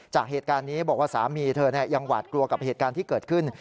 จากเหตุการณ์นี้บอกว่าสามีเธอยังหวาดกลัวกับเหตุการณ์ที่เกิดขึ้น